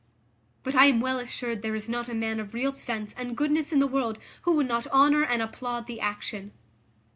But I am well assured there is not a man of real sense and goodness in the world who would not honour and applaud the action.